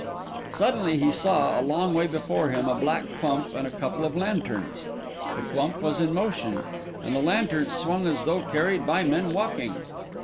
Suddenly he saw, a long way before him, a black clump and a couple of lanterns. The clump was in motion, and the lanterns swung as though carried by men walking.